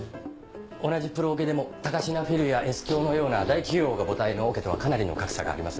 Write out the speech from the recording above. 同じプロオケでも高階フィルやＳ響のような大企業が母体のオケとはかなりの格差がありますね。